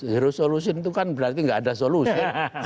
zero solution itu kan berarti gak ada solution